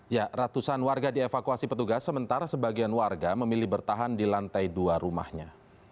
ya ratusan warga dievakuasi petugas sementara sebagian warga memilih bertahan di lantai dua rumahnya